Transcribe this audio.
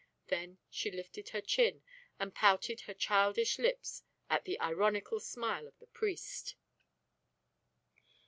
Then she lifted her chin and pouted her childish lips at the ironical smile of the priest.